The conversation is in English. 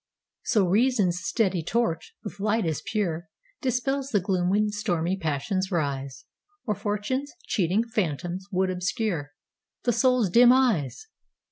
So Reason's steady torch, with light as pure, Dispels the gloom when stormy passions rise, Or Fortune's cheating phantoms would obscureThe soul's dim eyes!